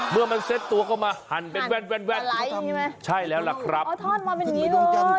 เมื่อเซตตัวก็ไหลบั้นแวดแวดแวดแวดใช่แล้วครับโอ้ทอดมาแบบนี้เลย